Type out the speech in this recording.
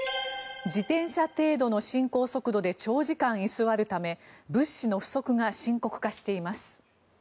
自転車程度の進行速度で長時間居座るため物資の不足が深刻化しています。